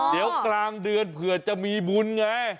เดี๋ยวกลางเดือนเผื่อจะมีบุญไง